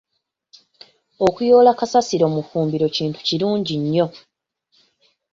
Okuyoola kasasiro mu ffumbiro kintu kirungi nnyo.